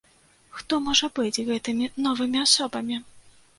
Хто можа быць гэтымі новымі асобамі?